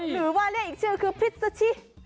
หรือว่าเรียกอีกชื่อคือพิษชิ